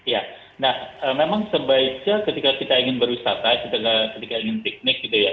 ya nah memang sebaiknya ketika kita ingin berwisata ketika ingin piknik gitu ya